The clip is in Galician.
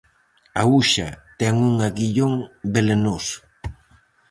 A uxa ten un aguillón velenoso.